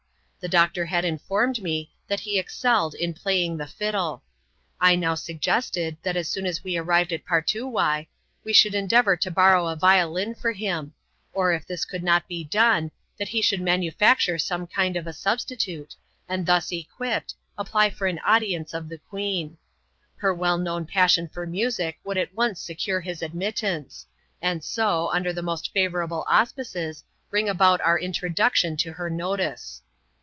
The doctor had informed me, that he excelled in playing the fiddle. I now suggested, that as soon as we arrived at Partoowye, we should endeavour to borrow a violin for him ; or if this could not be done, that lie a\iou\^ m"aXL\&%J^\»x^ ^^^sm^ 250 ' ADVENTURES IN THE SOUTH SEAS. [cBAV kind of a sabstitute, and thus equipped, apply for an and of the queen. Her well known passion for music would at secure his admittance; and so, under the most faTon auspices, bring about our introduction to her notice.